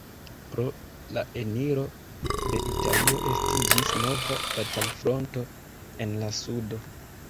Pro la eniro de Italio estiĝis nova batalfronto en la sudo.